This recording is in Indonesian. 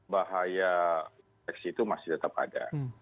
bahaya infeksi itu masih tetap ada